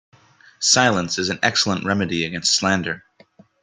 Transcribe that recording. Silence is an excellent remedy against slander.